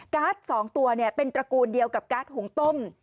๒ตัวเป็นตระกูลเดียวกับการ์ดหุงต้ม